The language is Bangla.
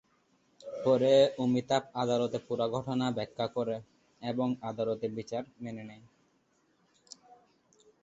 পরে অমিতাভ আদালতে পুরো ঘটনা ব্যাখ্যা করে এবং আদালতের বিচার মেনে নেয়।